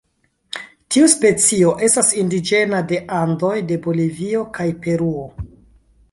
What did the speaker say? Tiu specio estas indiĝena de Andoj de Bolivio kaj Peruo.